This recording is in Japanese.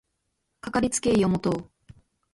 かかりつけ医を持とう